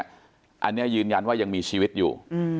อันนี้ยืนยันว่ายังมีชีวิตอยู่